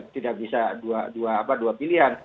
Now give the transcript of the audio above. tidak bisa dua pilihan